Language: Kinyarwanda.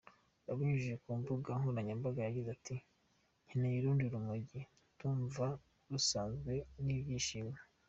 Abinyujije ku mbuga nkoranyambaga yagize ati, “Nkeneye urundi rumogi, ndumva nasazwe n’ibyishimo”.